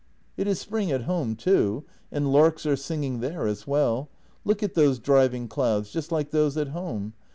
"It is spring at home too — and larks are singing there as well. Look at those driving clouds — just like those at home.